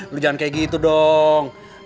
lu jangan kayak gitu dong